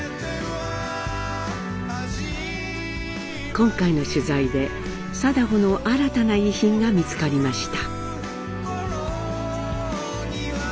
今回の取材で禎穗の新たな遺品が見つかりました。